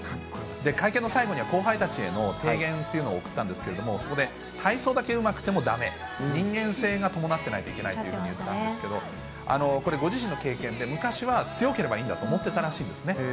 会見の最後には、後輩たちへの提言というのを送ったんですけれども、そこで、体操だけうまくてもだめ、人間性が伴ってないといけないと言ったんですけど、これ、ご自身の経験で、昔は強ければいいんだと思ってたらしいんですね。